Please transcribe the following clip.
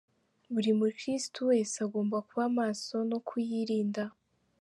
Buri mukiristo wese agomba kuba maso no kuyirinda.